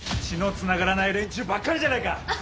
「血のつながらない連中ばっかりじゃないか」